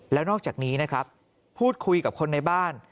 แล้วนอกจากนี้นะครับพูดคุยกับคนในบ้าน